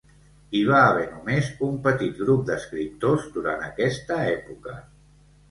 Hi va haver només un petit grup d'escriptors durant aquesta època.